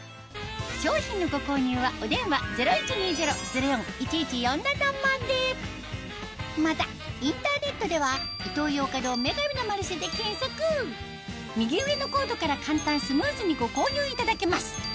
商品のご購入はお電話またインターネットでは右上のコードから簡単スムーズにご購入いただけます